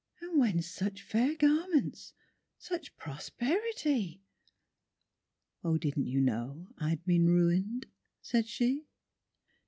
And whence such fair garments, such prosperi ty?"— "O didn't you know I'd been ruined?" said she.